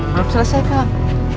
belum selesai kang